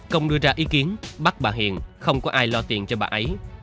công đưa ra ý kiến bắt bà hiền không có ai lo tiền cho bà ấy